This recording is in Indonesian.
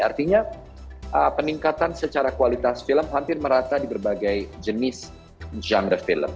artinya peningkatan secara kualitas film hampir merata di berbagai jenis genre film